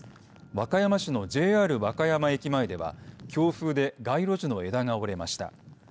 和歌山市のＪＲ和歌山駅前では強風で街路樹の枝が折れました。